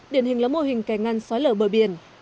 điển hình là mô hình kè ngăn xói lở bờ biển